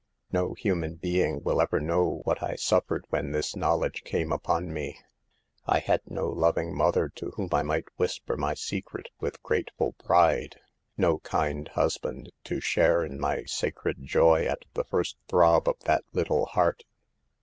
No human being will ever know what I suffered when this knowl edge came upon me. I had no loving mother to whom I might whisper my secret with grate SAVE THE GIBLS. ful pride ; no kind husband to share in my sacred joy at the first throb of that little heart.